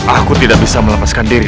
aku tidak bisa melepaskan diri